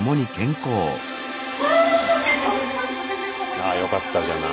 ああよかったじゃない。